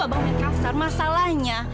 abang main kasar masalahnya